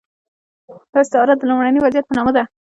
دا استعاره د لومړني وضعیت په نامه ده.